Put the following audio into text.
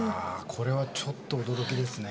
これはちょっと驚きですね。